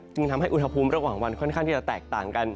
ทำให้อุณหภูมิระหว่างวันค่อนข้างที่จะแตกต่างกัน